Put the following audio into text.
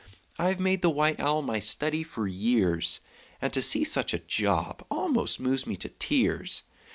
I've made the white owl my study for years, And to see such a job almost moves me to tears!